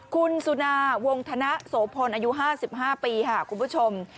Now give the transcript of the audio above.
คุณสุนาวงธนโสพลอายุ๕๕ปีค่ะคุณผู้ชม